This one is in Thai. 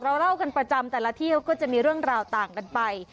เราเล่ากันประจำแต่ละเที่ยวก็จะมีเรื่องราวต่างกันไป